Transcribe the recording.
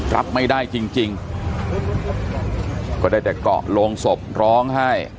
รับไม่ได้จริงจริงก็ได้แต่เกาะโรงศพร้องไห้